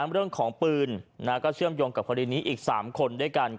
เรื่องของปืนก็เชื่อมโยงกับคดีนี้อีก๓คนด้วยกัน